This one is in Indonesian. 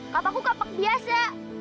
kapaku kapak biasa